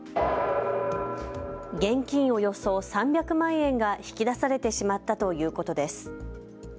現金およそ３００万円が引き出されてしまったということです。